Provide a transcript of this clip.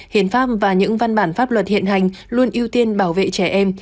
hiến pháp và những văn bản pháp luật hiện hành luôn ưu tiên bảo vệ trẻ em